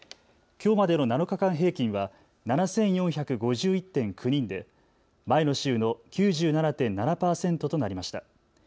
きょうまでの７日間平均は７４５１．９人で前の週の９７．７％となりました。